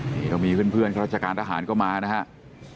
นี่ก็มีเพื่อนข้าราชการทหารก็มานะครับ